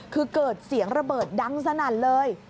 คือเกิดเสียงระเบิดดังสนั่นเลย